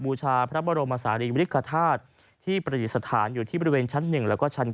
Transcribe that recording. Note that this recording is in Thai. บูชาพระบรมศาลีบริกฐาตุที่ประดิษฐานอยู่ที่บริเวณชั้น๑แล้วก็ชั้น๙